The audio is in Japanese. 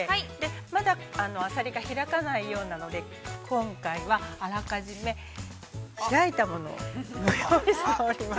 まだ、あさりが開かないようなので今回はあらかじめ開いたものを用意しております。